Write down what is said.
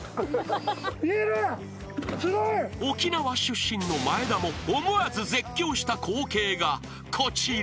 ［沖縄出身の真栄田も思わず絶叫した光景がこちら］